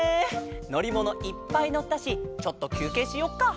のりものいっぱいのったしちょっときゅうけいしよっか。